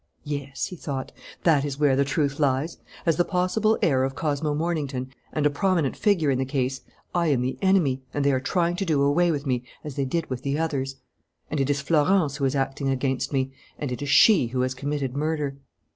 "Yes," he thought, "that is where the truth lies. As the possible heir of Cosmo Mornington and a prominent figure in the case, I am the enemy, and they are trying to do away with me as they did with the others. And it is Florence who is acting against me. And it is she who has committed murder.